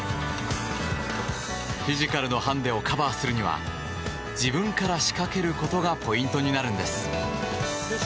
フィジカルのハンディをカバーするには自分から仕掛けることがポイントになるんです。